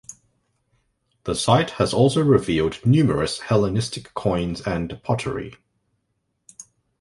The site has also revealed numerous Hellenistic coins and pottery.